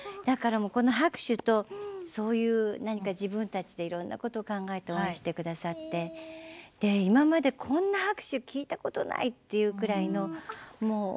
拍手とそういう何か自分たちで、いろいろなことを考えて応援してくださって今までこんな拍手、聞いたことがないというぐらい。